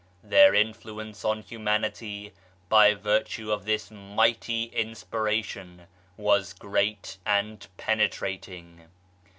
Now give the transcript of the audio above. Their influence on Humanity, by virtue of this mighty Inspiration, was great and penetrating.